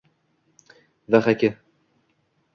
vxk